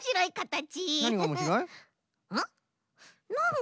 ん？